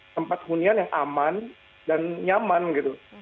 tempat hunian yang aman dan nyaman gitu